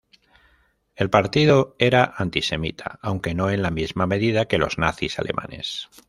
El partido era antisemita, aunque no en la misma medida que los nazis alemanes.